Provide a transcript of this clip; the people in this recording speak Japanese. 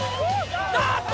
あっと！